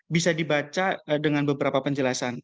bisa dibaca dengan beberapa penjelasan